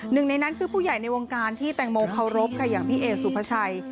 หนึ่งในนั้นคือผู้ใหญ่ในวงการที่แตงโมเคารพค่ะอย่างพี่เอสุภาชัย